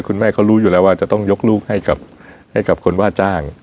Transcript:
คุณแม่เขารู้อยู่แล้วว่าจะต้องยกลูกให้กับคนว่าจ้าง